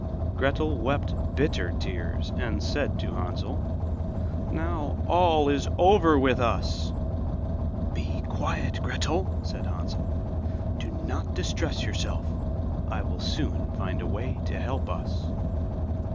Gretel wept bitter tears, and said to Hansel: 'Now all is over with us.' 'Be quiet, Gretel,' said Hansel, 'do not distress yourself, I will soon find a way to help us.